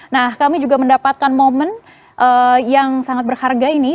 nah kami juga mendapatkan momen yang sangat berharga ini